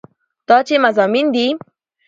دا چې مضامين دي